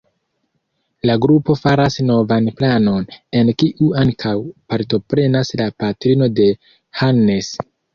La grupo faras novan planon, en kiu ankaŭ partoprenas la patrino de Hannes.